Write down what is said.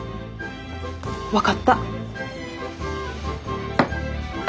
分かった。